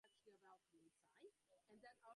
হরিমোহিনী কহিলেন, সে চেষ্টা তো করতে হবে।